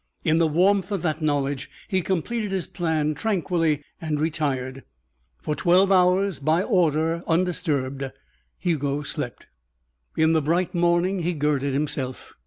In the warmth of that knowledge he completed his plan tranquilly and retired. For twelve hours, by order undisturbed, Hugo slept. In the bright morning, he girded himself.